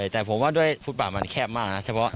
แต่ผมว่าด้วยฟุตบาทมันแคบมากนะเฉพาะ